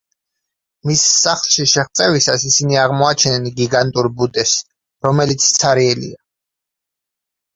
მის სახლში შეღწევისას ისინი აღმოაჩენენ გიგანტურ ბუდეს, რომელიც ცარიელია.